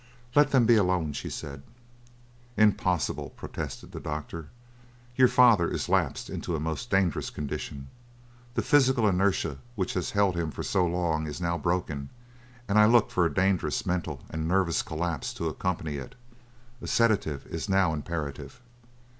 "Let them be alone," she said. "Impossible!" protested the doctor. "Your father is lapsed into a most dangerous condition. The physical inertia which has held him for so long is now broken and I look for a dangerous mental and nervous collapse to accompany it. A sedative is now imperative!"